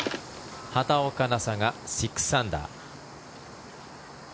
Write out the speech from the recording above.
畑岡奈紗が６アンダー。